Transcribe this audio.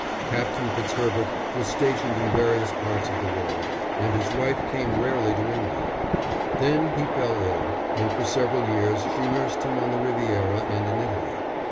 Captain Fitzherbert was stationed in various parts of the world, and his wife came rarely to England. Then he fell ill, and for several years she nursed him on the Riviera and in Italy.